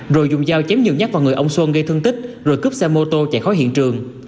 rồi dùng dao chém nhiều nhát vào người ông xuân gây thương tích rồi cướp xe mô tô chạy khỏi hiện trường